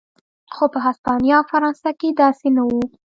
خو په هسپانیا او فرانسه کې داسې نه و.